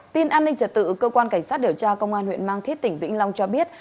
tin an ninh trật tự cơ quan cảnh sát điều tra công an huyện mang thít tỉnh vĩnh long cho biết